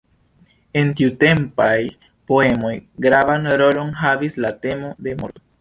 En tiutempaj poemoj, gravan rolon havis la temo de morto.